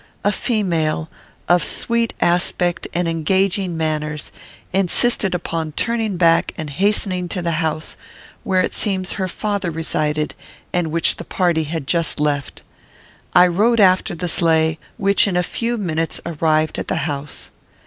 A female, of sweet aspect and engaging manners, insisted upon turning back and hastening to the house, where it seems her father resided, and which the party had just left. I rode after the sleigh, which in a few minutes arrived at the house.